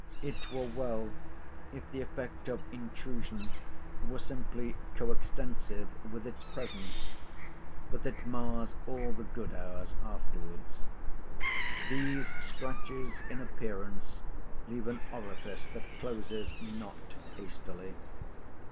It were well if the effect of intrusion were simply co extensive with its presence; but it mars all the good hours afterwards. These scratches in appearance leave an orifice that closes not hastily.